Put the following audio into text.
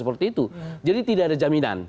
seperti itu jadi tidak ada jaminan